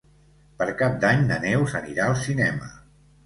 Per Cap d'Any na Neus anirà al cinema.